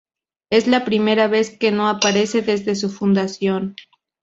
Es la primera vez que no aparece desde su fundación.